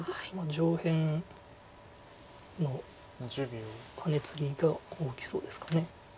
上辺のハネツギが大きそうですか。